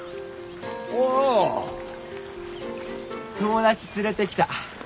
友達連れてきた。